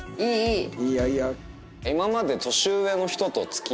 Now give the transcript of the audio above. いいよいいよ。